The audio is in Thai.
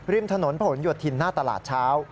ริมถนนผลโยธินหน้าตลาดเช้า